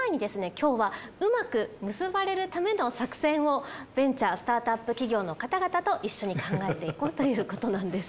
今日はうまく結ばれるための作戦をベンチャースタートアップ企業の方々と一緒に考えていこうということなんです。